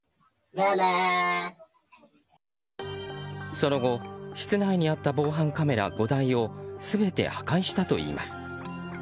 その後、室内にあった防犯カメラ５台を全て破壊したといいます。